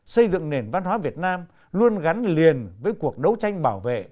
xây dựng nền văn hóa việt nam luôn gắn liền với cuộc đấu tranh bảo vệ